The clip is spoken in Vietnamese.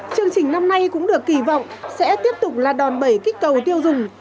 chương trình năm nay cũng được kỳ vọng sẽ tiếp tục là đòn bẩy kích cầu tiêu dùng